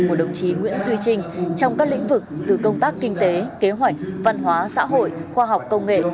của đồng chí nguyễn duy trinh trong các lĩnh vực từ công tác kinh tế kế hoạch văn hóa xã hội khoa học công nghệ